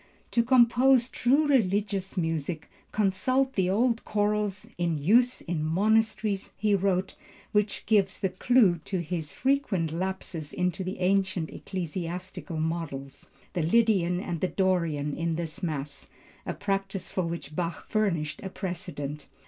"To compose true religious music, consult the old chorals in use in monasteries," he wrote, which gives the clew to his frequent lapses into the ancient ecclesiastical modes, the Lydian and Dorian, in this mass, a practice for which Bach furnished a precedent.